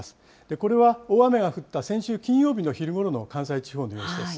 これは大雨が降った先週昼ごろの関西地方の様子です。